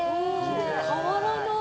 変わらない。